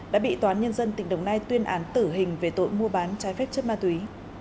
đã bị toán nhân dân tỉnh đồng nai tuyên án tử hình về tội mua bán trái phép chất ma túy